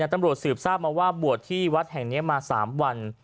ตำรวจสืบทราบมาว่าบวชที่วัดแห่งนี้มา๓วัน